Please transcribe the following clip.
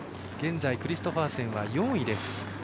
現在、クリストファーセンは４位。